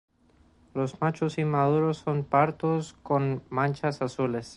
Los machos inmaduros son pardos con manchas azules.